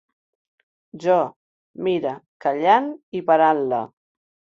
Jo, mira, callant i parant-la.